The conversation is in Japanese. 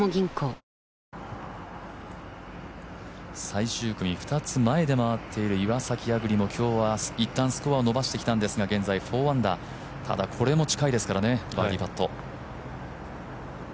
最終組２つ前で回っている岩崎亜久竜も今日はいったんスコアを伸ばしてきたんですが現在４アンダー、ただ、これも近いですからね、バーディーパット。